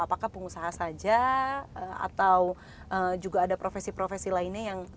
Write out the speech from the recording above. apakah pengusaha saja atau juga ada profesi profesi lainnya yang